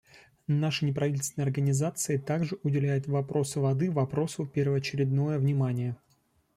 Наши неправительственные организации так же уделяют вопросу воды вопросу первоочередное внимание.